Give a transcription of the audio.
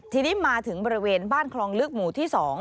ทีนี้มาถึงบริเวณบ้านคลองลึกหมู่ที่๒